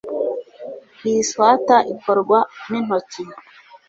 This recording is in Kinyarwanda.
Iyi swater ikorwa nintoki